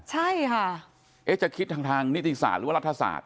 ใช่ค่ะจะคิดทางนิติศาสตร์หรือว่ารัฐศาสตร์